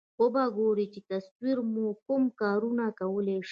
و به ګورئ چې تصور مو کوم کارونه کولای شي.